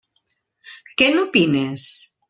Què n'opines?